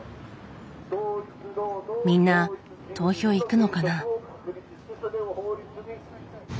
みんな投票行くのかな。